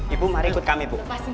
ibu mari ikut kami bu